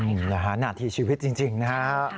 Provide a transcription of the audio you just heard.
หรือหาหน้าที่ชีวิตจริงนะคะ